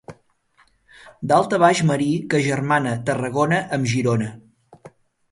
Daltabaix marí que agermana Tarragona amb Girona.